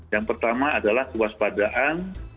yang pertama adalah kewaspadaan